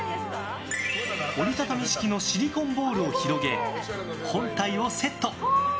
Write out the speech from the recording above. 折り畳み式のシリコンボウルを広げ、本体をセット。